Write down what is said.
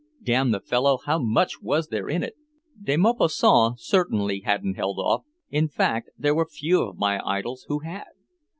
Damn the fellow, how much was there in it? De Maupassant certainly hadn't held off. In fact there were few of my idols who had.